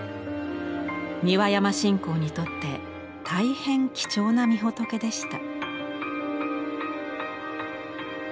三輪山信仰にとって大変貴重なみほとけでした。